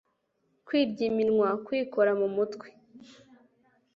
kwirya iminwa, kwikora mu mutwe